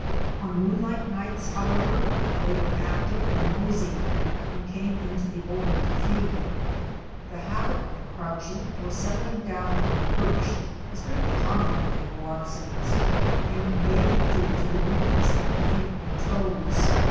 On moonlight nights however they were active and noisy, and came into the open to feed. The habit of crouching or settling down on the perch is very common with the Hoatzins, and it may be due to the weakness of the feet and toes.